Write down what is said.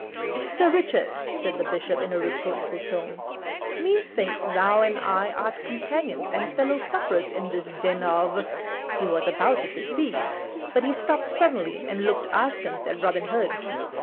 "Sir Richard," said the Bishop in a reproachful tone, "methinks thou and I are companions and fellow sufferers in this den of " He was about to say "thieves," but he stopped suddenly and looked askance at Robin Hood.